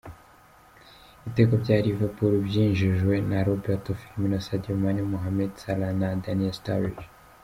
Ibitego vya Liverpool vyinjijwe na Roberto Firmino, Sadio Mane, Mohamed Salah na Daniel Sturridge.